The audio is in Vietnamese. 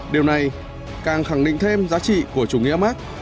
điều này càng khẳng định thêm giá trị của chủ nghĩa mark